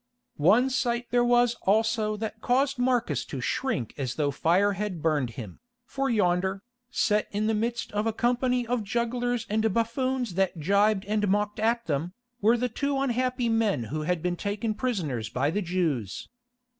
One sight there was also that caused Marcus to shrink as though fire had burned him, for yonder, set in the midst of a company of jugglers and buffoons that gibed and mocked at them, were the two unhappy men who had been taken prisoners by the Jews.